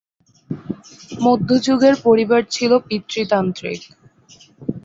মধ্যযুগের পরিবার ছিল পিতৃতান্ত্রিক।